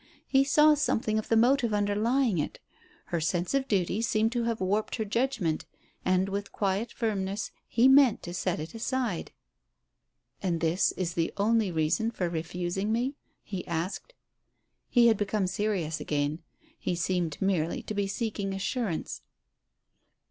He saw something of the motive underlying it. Her sense of duty seemed to have warped her judgment, and, with quiet firmness, he meant to set it aside. "And this is the only reason for refusing me?" he asked. He had become serious again; he seemed merely to be seeking assurance.